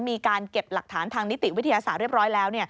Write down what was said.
มีการเก็บหลักฐานทางนิติวิทยาศาสตร์เรียบร้อยแล้ว